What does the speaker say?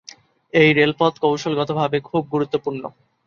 এই রেলপথ কৌশলগতভাবে খুব গুরুত্বপূর্ণ।